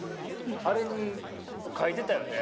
あれに書いてたよね。